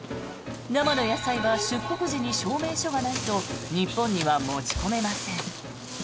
生の野菜は出国時に証明書がないと日本には持ち込めません。